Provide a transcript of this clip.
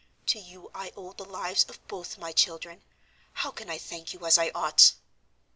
To you I owe the lives of both my children; how can I thank you as I ought?"